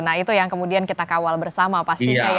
nah itu yang kemudian kita kawal bersama pastinya ya